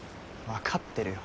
分かってるよ。